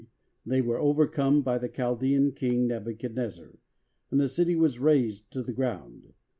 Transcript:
they were overcome by the Chaldean King Nebuchadnezzar, and the city was razed to the ground.